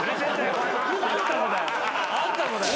・あんたもだよ。